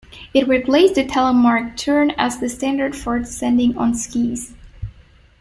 It replaced the Telemark turn as the standard for descending on skis.